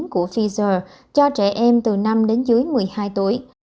của pfizer cho trẻ em từ năm đến dưới một mươi hai tuổi